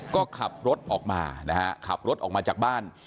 ก็ขับรถออกมานะฮะขับรถออกมาจากบ้าน